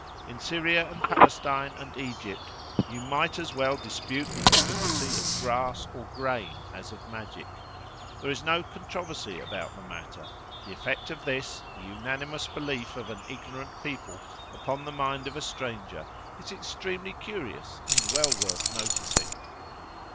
In Syria and Palestine and Egypt you might as well dispute the efficacy of grass or grain as of magic. There is no controversy about the matter. The effect of this, the unanimous belief of an ignorant people upon the mind of a stranger, is extremely curious, and well worth noticing.